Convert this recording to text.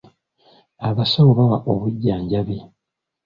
Abasawo bawa obujjanjabi.